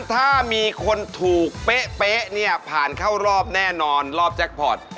ถ้ามีคนถูกเป๊ะเนี่ยผ่านเข้ารอบแน่นอนรอบแจ็คพอร์ต